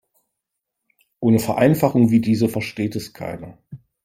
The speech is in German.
Ohne Vereinfachungen wie diese versteht es keiner.